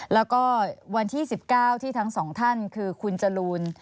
แล้วก็วันที่๑๙ที่ทั้งสองท่านคือคุณจรูน